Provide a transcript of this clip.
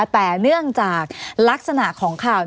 แต่เนื่องจากลักษณะของข่าว